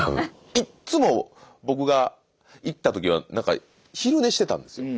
いっつも僕が行った時はなんか昼寝してたんですよ。